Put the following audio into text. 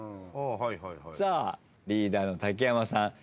さあリーダーの竹山さん。